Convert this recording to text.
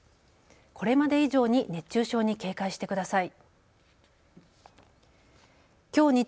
これまで以上に熱中症に警戒してください。